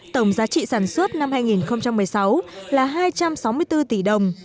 tổng giá trị sản xuất năm hai nghìn một mươi sáu là hai trăm sáu mươi bốn tỷ đồng